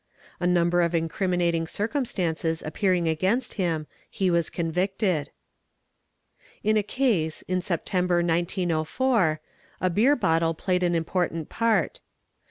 A umber of incriminating circumstances appearing against him, he was mvicted. In a case, in September 1904, a beer bottle played an important part.